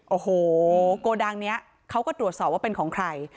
โอ้โหโกดังนี้เขาก็ตรวจสอบว่าเป็นของใคร